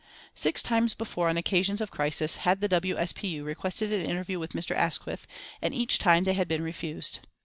Six times before on occasions of crisis had the W. S. P. U. requested an interview with Mr. Asquith, and each time they had been refused.